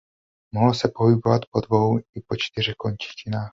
Mohl se pohybovat po dvou i po čtyřech končetinách.